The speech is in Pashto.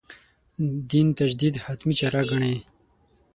دین تجدید «حتمي» چاره ګڼي.